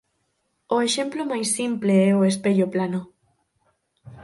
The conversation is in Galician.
O exemplo máis simple é o espello plano.